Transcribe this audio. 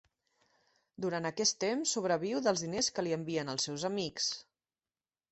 Durant aquest temps sobreviu dels diners que li envien els seus amics.